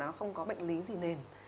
đứa trẻ không có bệnh lý gì nền